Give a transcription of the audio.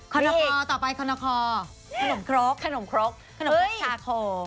ขนคต่อไปขนครขนมครกขนมกล์ดชาโค